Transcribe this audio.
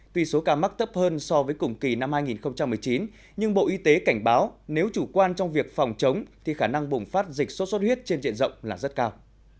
tuy số ca mắc tấp hơn so với cùng kỳ năm hai nghìn một mươi chín nhưng bộ y tế cảnh báo nếu chủ quan trong việc phòng chống thì khả năng bùng phát dịch sốt xuất huyết trên diện rộng là rất cao